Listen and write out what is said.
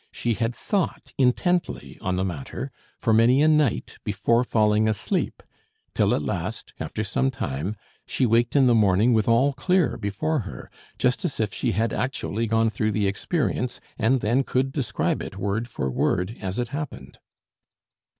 She had thought intently on the matter for many a night before falling asleep; till at length, after some time, she waked in the morning with all clear before her, just as if she had actually gone through the experience, and then could describe it word for word as it happened.